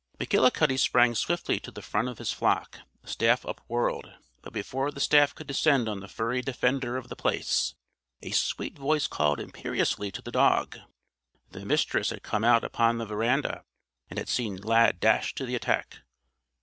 McGillicuddy sprang swiftly to the front of his flock, staff upwhirled; but before the staff could descend on the furry defender of The Place, a sweet voice called imperiously to the dog. The Mistress had come out upon the veranda and had seen Lad dash to the attack.